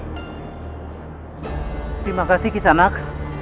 terima kasih kisanak